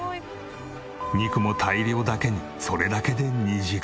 肉も大量だけにそれだけで２時間。